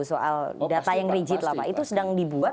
soal data yang rigid lah pak itu sedang dibuat